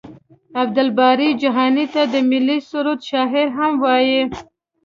عبدالباري جهاني ته د ملي سرود شاعر هم وايي.